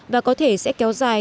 và có thể sẽ kéo dài